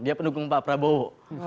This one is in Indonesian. dia pendukung pak prabowo